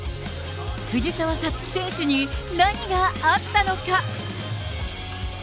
藤澤五月選手に何があったのか。